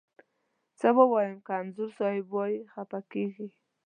څه ووایم، که انځور صاحب ووایم خپه کږې.